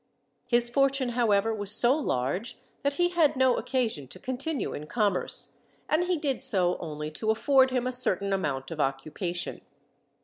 His fortune, however, was so large, that he had no occasion to continue in commerce, and he did so only to afford him a certain amount of occupation.